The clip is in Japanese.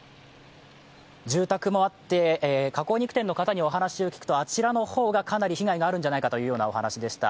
住宅もあって加工肉店の方にお話を伺いますと、あちらの方がかなり被害があるんじゃないかというお話でした。